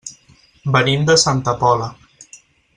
Venim de Santa Pola.